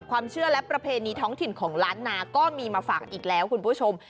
ความเชื่อและประเพณีท้องถิ่นของล้านนาก็มีมาฝากอีกแล้วคุณผู้ชม